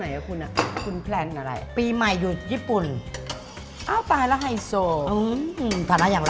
อ้าวเหรอมีแฟนแล้วหรอ